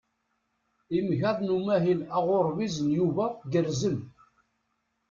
Igmaḍ n umahil aɣurbiz n Yuba gerrzen.